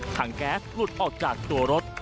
แก๊สหลุดออกจากตัวรถ